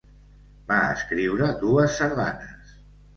Va escriure dues sardanes.